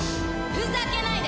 ふざけないで！